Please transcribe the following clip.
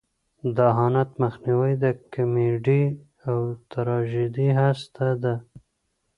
د اهانت مخنیوی د کمیډۍ او تراژیدۍ هسته ده.